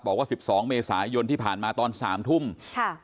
บอกว่า๑๒เมษายนที่ผ่านมาตอนสามทุ่มค่ะ